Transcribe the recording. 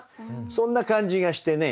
そんな感じがしてね